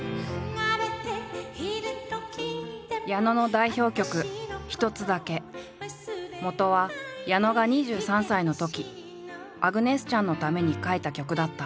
矢野の代表曲もとは矢野が２３歳のときアグネス・チャンのために書いた曲だった。